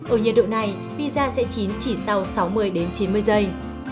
ở nhiệt độ này pizza sẽ chín chỉ sau sáu mươi chín mươi giây